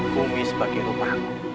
bumi sebagai rumah